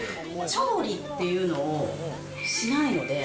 調理っていうのをしないので。